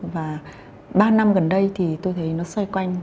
và ba năm gần đây thì tôi thấy nó xoay quanh